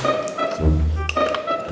aduh aduh aduh